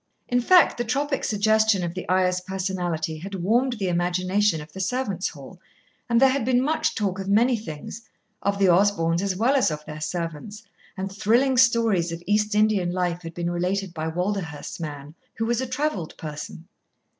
In fact the tropic suggestion of the Ayah's personality had warmed the imagination of the servants' hall, and there had been much talk of many things, of the Osborns as well as of their servants, and thrilling stories of East Indian life had been related by Walderhurst's man, who was a travelled person.